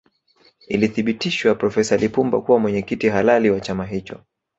Ilithibitishwa profesa Lipumba kuwa mwenyekiti halali wa chama hicho